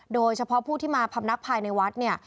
โดยเฉพาะผู้ที่มาพำนักภายในวัดเนี่ย